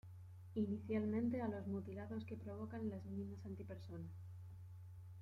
Inicialmente a los mutilados que provocan las minas antipersona.